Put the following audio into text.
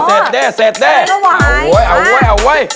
เสร็จด้วย